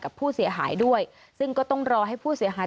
กับผู้เสียหายด้วยซึ่งก็ต้องรอให้ผู้เสียหาย